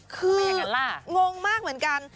คือยงงมากเหมือนกัน